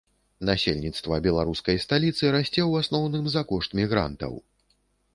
Насельніцтва беларускай сталіцы расце ў асноўным за кошт мігрантаў.